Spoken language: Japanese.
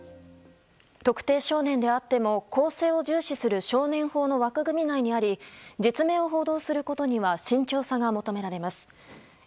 特定少年であっても更生を重視する少年法の枠組み内にあり実名を報道することには慎重さが求められます。